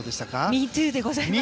ミートゥーでございます。